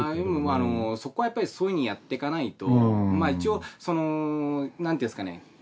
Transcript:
そこはやっぱりそういうふうにやっていかないと一応なんていうんですかね。